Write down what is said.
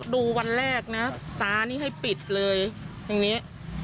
วันแรกนะตานี่ให้ปิดเลยทางนี้